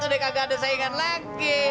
sudah kagak ada saingan lagi